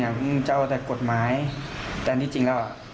มึงเจ้าแต่กฎหมายแต่ที่จริงแล้ว